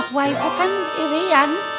papua itu kan irian